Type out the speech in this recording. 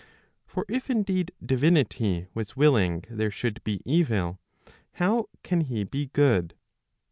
For if indeed divinity was willing there should be evil, how can he be good